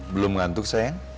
belum ngantuk sayang